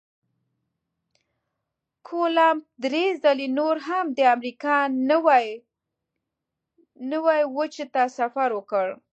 کولمب درې ځلې نور هم د امریکا نوي وچې ته سفر وکړ.